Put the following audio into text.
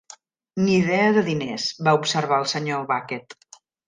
"Ni idea de diners" va observar el senyor Bucket.